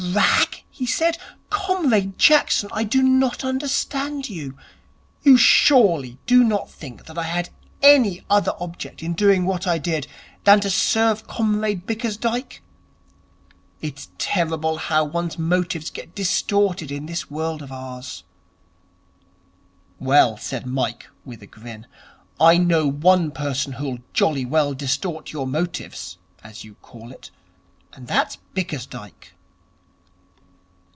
'Rag!' he said. 'Comrade Jackson, I do not understand you. You surely do not think that I had any other object in doing what I did than to serve Comrade Bickersdyke? It's terrible how one's motives get distorted in this world of ours.' 'Well,' said Mike, with a grin, 'I know one person who'll jolly well distort your motives, as you call it, and that's Bickersdyke.'